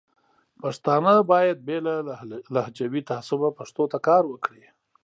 پښتانه باید بې له لهجوي تعصبه پښتو ته کار وکړي.